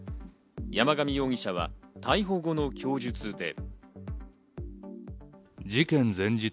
山上容疑者は逮捕後の供述で。